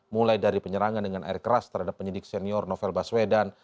mulai dari penyerangan dengan air keras terhadap penyidik senior novel baswedan